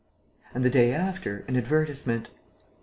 And, the day after, an advertisement.